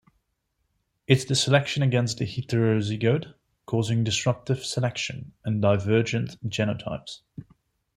It is the selection against the heterozygote, causing disruptive selection and divergent genotypes.